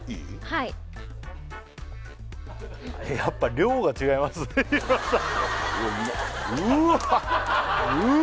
はいやっぱ量が違いますね日村さん